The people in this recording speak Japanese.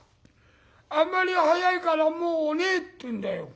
あんまり早いからもう寝え』って言うんだよ。